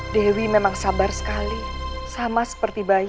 dewi memang sabar sekali sama seperti bayi